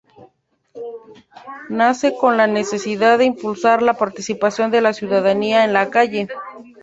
Nace con la necesidad de impulsar la participación de la ciudadanía en la calle.